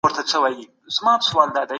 ماشوم د ستورو په اړه فکر کوي.